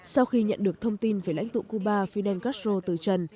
sau khi nhận được thông tin về lãnh tụ cuba fidel castro từ trần